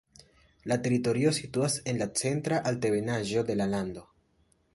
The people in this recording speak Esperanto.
La teritorio situas en la centra altebenaĵo de la lando.